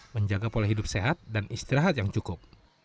menjaga pola hidup sehat dan istirahat yang cukup